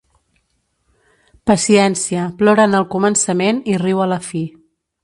Paciència plora en el començament i riu a la fi.